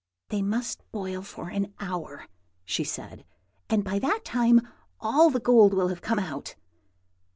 "They must boil for an hour," she said; "and by that time all the gold will have come out."